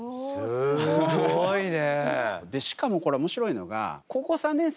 すごいね。